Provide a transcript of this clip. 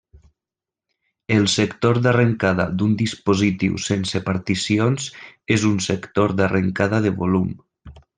El sector d'arrencada d'un dispositiu sense particions és un sector d'arrencada de volum.